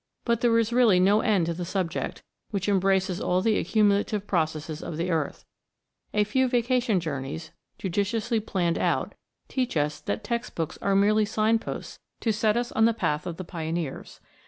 But there is really no end to the subject, which embraces all the accumulative processes of the earth. A few vacation journeys, judiciously planned out, teach us that text books are merely signposts to set us on the path of the pioneers.